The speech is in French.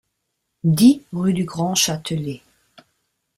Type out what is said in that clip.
dix rue du Grand Châtelet